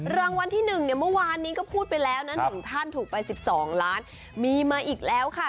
รางวัลที่๑เนี่ยเมื่อวานนี้ก็พูดไปแล้วนะ๑ท่านถูกไป๑๒ล้านมีมาอีกแล้วค่ะ